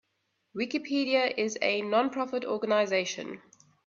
Wikipedia is a non-profit organization.